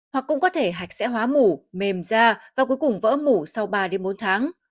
hoặc cũng có thể hạch sẽ hóa mổ mềm da và cuối cùng vỡ mủ sau ba bốn tháng